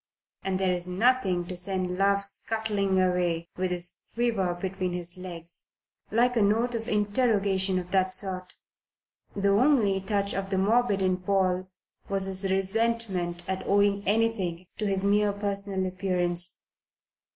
And there is nothing to send love scuttling away with his quiver between his legs like a note of interrogation of that sort. The only touch of the morbid in Paul was his resentment at owing anything to his mere personal appearance.